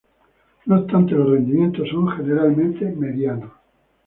No obstante, los rendimientos son generalmente medianos.